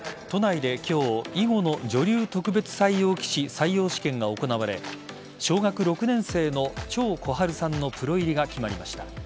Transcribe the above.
都内で今日囲碁の女流特別採用棋士採用試験が行われ小学６年生の張心治さんのプロ入りが決まりました。